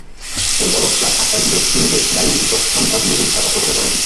এরপরও রাত আটটার দিকে ক্লিনিকের গাইনি চিকিৎসক শান্তা ত্রিবেদী তাঁর অস্ত্রোপচার করেন।